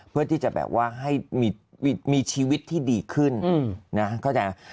เพื่อที่จะแบบว่าให้มีชีวิตที่ดีขึ้นนะเข้าใจ